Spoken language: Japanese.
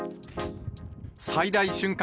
最大瞬間